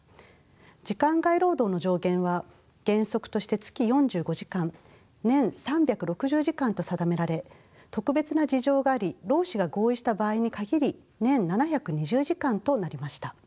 時間外労働の上限は原則として月４５時間年３６０時間と定められ特別な事情があり労使が合意した場合に限り年７２０時間となりました。